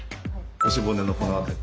腰骨のこの辺り。